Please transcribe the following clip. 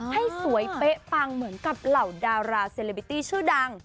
ให้สวยเป๊ะปังเหมือนกับเหล่าดาราเซเลบิตี้ชื่อดัง